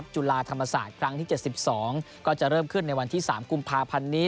จุฬาธรรมศาสตร์ครั้งที่๗๒ก็จะเริ่มขึ้นในวันที่๓กุมภาพันธ์นี้